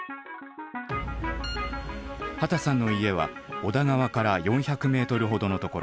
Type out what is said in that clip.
秦さんの家は小田川から４００ｍほどのところ。